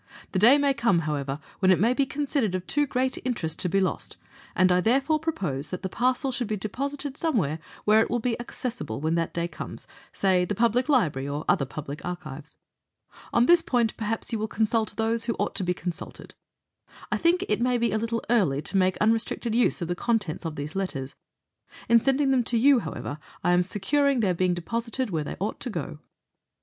The day may come, how ever, when it may be considered of too great interest to be lost, and I therefore propose that the parcel should be deposited somewhere where it will be accessible when that day comes, say the Public Library or other public archives. On this point perhaps you will consult those who ought to be consulted. I think it may be a little early to make unrestricted use of the contents of these letters. In sending them to you, however, I am securing their being deposited where they ought to go."